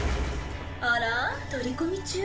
あら取り込み中？